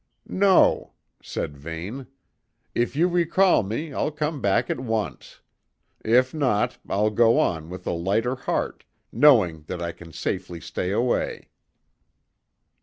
"No," said Vane. "If you recall me, I'll come back at once; if not, I'll go on with a lighter heart, knowing that I can safely stay away."